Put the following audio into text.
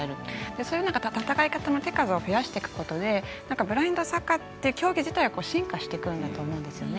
そういう中、戦い方の手数を増やしていくことでブラインドサッカーって競技自体が進化していくんだと思うんですね。